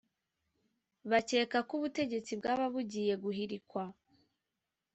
bakeka ko ubutegetsi bwaba bugiye guhirikwa